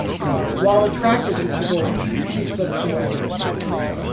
While attracted to Tibor, she slips away.